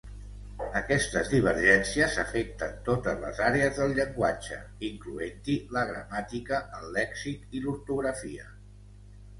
Aquestes divergències afecten totes les àrees del llenguatge, incloent-hi la gramàtica, el lèxic i l'ortografia.